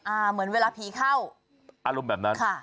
อ่าเหมือนเวลาผีเข้าค่ะอารมณ์แบบนั้น